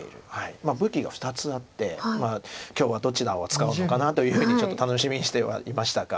武器が２つあって今日はどちらを使うのかなというふうにちょっと楽しみにしてはいましたが。